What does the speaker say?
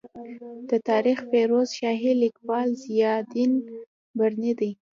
د تاریخ فیروز شاهي لیکوال ضیا الدین برني دی.